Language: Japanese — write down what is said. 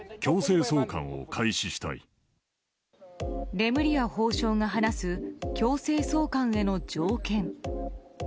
レムリヤ法相が話す強制送還への条件。